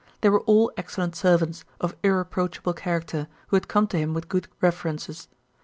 They were all excellent servants, of irreproachable character, who had come to him with good references.